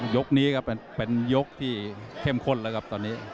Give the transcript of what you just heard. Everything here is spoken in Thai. ยกนี้ก็เป็นยกที่เข้มข้นแล้วครับตอนนี้